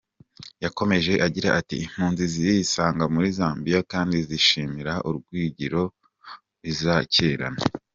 Yakomeje agira ati "Impunzi zirisanga muri Zambia kandi zishimira urugwiro izakirana.